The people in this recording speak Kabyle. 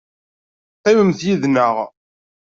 Qqimemt yid-nneɣ.